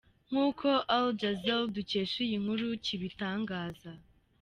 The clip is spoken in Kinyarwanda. Nk’uko Al Jazeera dukesha iyi nkuru kibitangaza.